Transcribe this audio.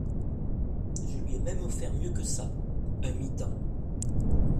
Je lui ai même offert mieux que ça: un mi-temps.